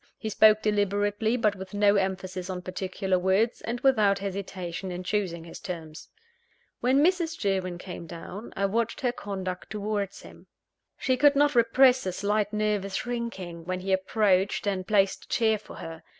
He spoke deliberately, but with no emphasis on particular words, and without hesitation in choosing his terms. When Mrs. Sherwin came down, I watched her conduct towards him. She could not repress a slight nervous shrinking, when he approached and placed a chair for her.